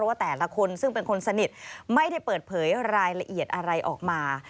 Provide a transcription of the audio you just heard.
ว่าแต่ละคนซึ่งเป็นคนสนิทไม่ได้เปิดเผยรายละเอียดอะไรออกมา